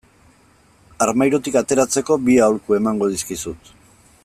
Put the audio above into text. Armairutik ateratzeko bi aholku emango dizkizut.